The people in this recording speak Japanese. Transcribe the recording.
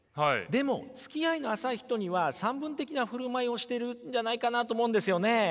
でもつきあいの浅い人には散文的な振る舞いをしてるんじゃないかなと思うんですよね。